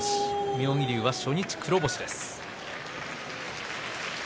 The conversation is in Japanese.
妙義龍は黒星です。